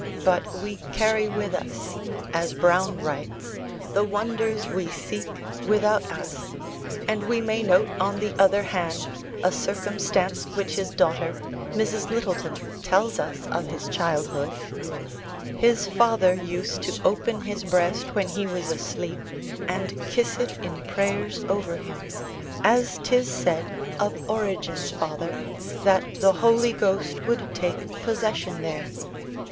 But "we carry with us," as Browne writes, "the wonders we seek without us," and we may note on the other hand, a circumstance which his daughter, Mrs. Lyttleton, tells us of his childhood: "His father used to open his breast when he was asleep, and kiss it in prayers over him, as 'tis said of Origen's father, that the Holy Ghost would take possession there."